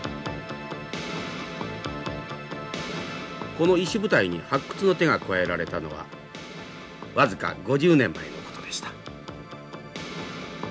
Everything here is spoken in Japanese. この石舞台に発掘の手が加えられたのは僅か５０年前のことでした。